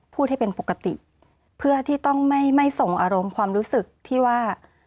พูดให้เป็นปกติเพื่อที่ต้องไม่ไม่ส่งอารมณ์ความรู้สึกที่ว่า